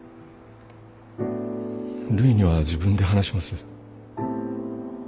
るいには自分で話します。